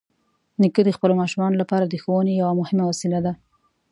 نیکه د خپلو ماشومانو لپاره د ښوونې یوه مهمه وسیله ده.